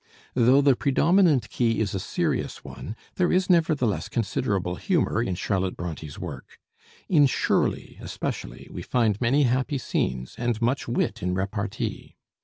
Though the predominant key is a serious one, there is nevertheless considerable humor in Charlotte Bronté's work. In 'Shirley' especially we find many happy scenes, and much wit in repartee.